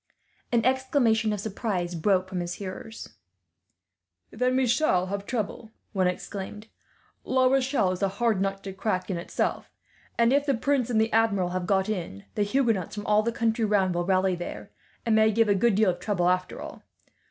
An exclamation of surprise broke from his hearers. "Then we shall have trouble," one exclaimed. "La Rochelle is a hard nut to crack, in itself; and if the prince and the Admiral have got in, the Huguenots from all the country round will rally there, and may give a good deal of trouble, after all.